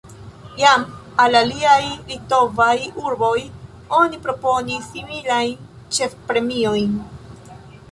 Jam al aliaj litovaj urboj oni proponis similajn ĉefpremiojn.